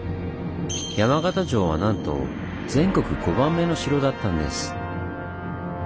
山形城はなんと全国５番目の城だったんです。